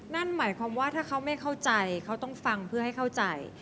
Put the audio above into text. นั่นหมายความว่าถ้าเขาไม่เข้าใจเขาต้องฟังเพื่อให้เข้าใจ